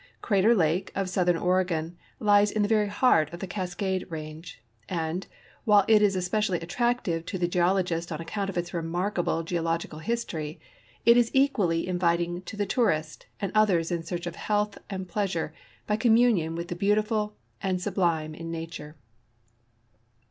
Crater lake of southern Oregon lies in the ver^'^ heart of the Cas cade range, and, while it is especially attractive to the geologist on account of its remarkable geological history, it is equal!}' in viting to the tourist and others in search of health and j)leasure by communion with the beautiful and sublime in nature.